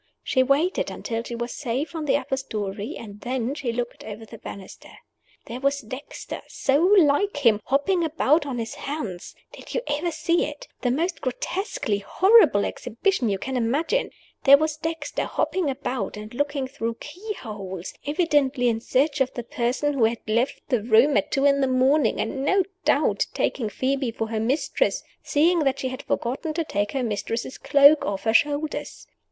She waited until she was safe on the upper story, and then she looked over the banisters. There was Dexter so like him! hopping about on his hands (did you ever see it? the most grotesquely horrible exhibition you can imagine!) there was Dexter, hopping about, and looking through keyholes, evidently in search of the person who had left her room at two in the morning; and no doubt taking Phoebe for her mistress, seeing that she had forgotten to take her mistress's cloak off her shoulders.